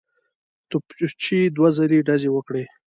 توپچي دوه ځلي ډزې وکړې.